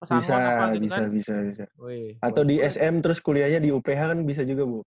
bisa bisa atau di sm terus kuliahnya di uph kan bisa juga bu